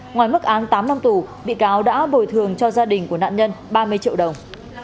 ngoài mức án tám năm tù bị cáo đã bồi thường cho gia đình của nạn nhân ba mươi triệu đồng